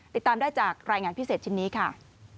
ติดตามได้จากรายงานพิเศษชิ้นนี้ค่ะ